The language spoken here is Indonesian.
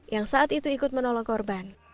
yang saat itu ikut menolong korban